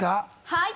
はい。